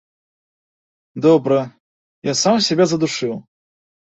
Добра, ён сам сябе задушыў.